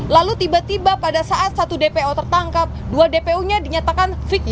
lalu tiba tiba pada saat satu dpo tertangkap dua dpo nya dinyatakan fikih